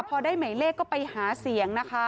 พอได้หมายเลขก็ไปหาเสียงนะคะ